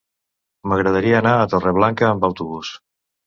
M'agradaria anar a Torreblanca amb autobús.